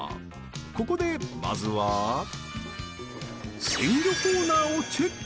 ここでまずは鮮魚コーナーをチェック！